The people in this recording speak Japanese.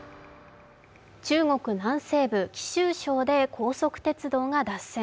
中国南西部、貴州省で高速鉄道が脱線。